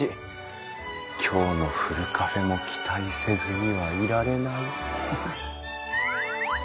今日のふるカフェも期待せずにはいられない。